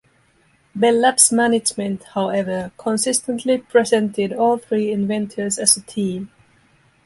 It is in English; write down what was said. Bell Labs management, however, consistently presented all three inventors as a team.